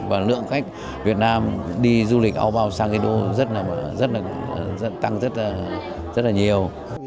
và lượng khách việt nam đi du lịch ao bao sang indonesia tăng rất là nhiều